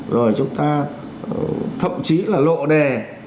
rồi chúng ta thậm chí là lộ đề